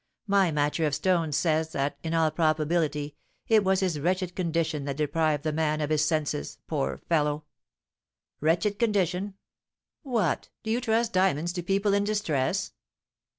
My matcher of stones says that, in all probability, it was his wretched condition that deprived the man of his senses, poor fellow!" "Wretched condition! What! do you trust diamonds to people in distress?"